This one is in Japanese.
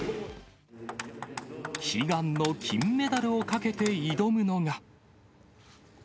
悲願の金メダルをかけて挑むのが。